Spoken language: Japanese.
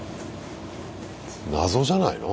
謎じゃないの？